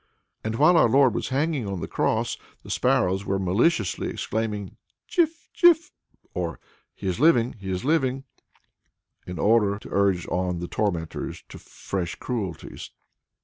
And while our Lord was hanging on the cross the sparrows were maliciously exclaiming Jif! Jif! or "He is living! He is living!" in order to urge on the tormentors to fresh cruelties.